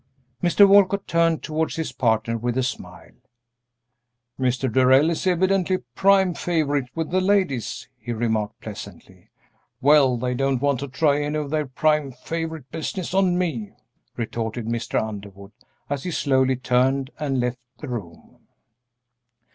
Mr. Walcott turned towards his partner with a smile. "Mr. Darrell is evidently a prime favorite with the ladies," he remarked, pleasantly. "Well, they don't want to try any of their prime favorite business on me," retorted Mr. Underwood, as he slowly turned and left the room.